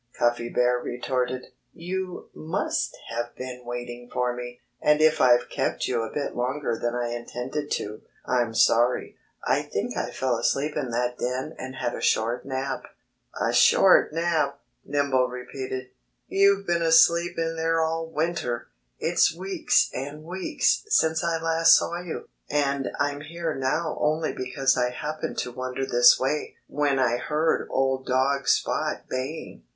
Cuffy Bear retorted. "You must have been waiting for me. And if I've kept you a bit longer than I intended to, I'm sorry. I think I fell asleep in that den and had a short nap." [Illustration: Nimble Deer Tells Cuffy Bear About His Horns. Page 71] "A short nap!" Nimble repeated. "You've been asleep in there all winter! It's weeks and weeks since I last saw you. And I'm here now only because I happened to wander this way, when I heard old dog Spot baying."